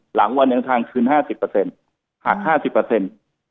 หลังวันเดินทางคืน๕๐หัก๕๐อืม